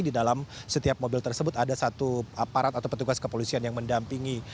di dalam setiap mobil tersebut ada satu aparat atau petugas kepolisian yang mendampingi